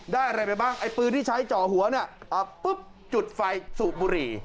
ได้อะไรไปบ้างไอ้ปืนที่ใช้จ่อหัวเนี่ยปุ๊บจุดไฟสูบบุหรี่